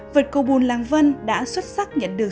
vật cầu bùn làng vân đã xuất sắc nhận được